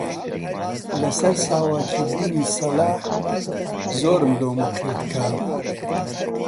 لەسەر ساواکی بوونی سەلاح زۆرم لۆمە کرد کە: